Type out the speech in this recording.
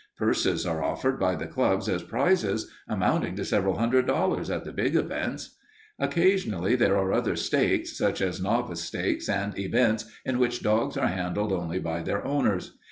Purses are offered by the clubs as prizes, amounting to several hundred dollars at the big events. "Occasionally there are other stakes, such as novice stakes and events in which dogs are handled only by their owners.